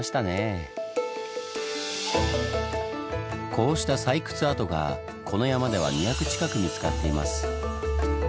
こうした採掘跡がこの山では２００近く見つかっています。